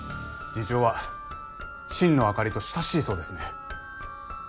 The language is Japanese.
次長は心野朱梨と親しいそうですね。